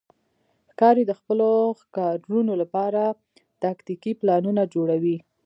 ښکاري د خپلو ښکارونو لپاره تاکتیکي پلانونه جوړوي.